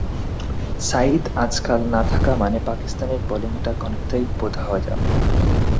সাঈদ আজমল না-থাকা মানে পাকিস্তানের বোলিং আক্রমণ অনেকটাই ভোঁতা হয়ে যাওয়া।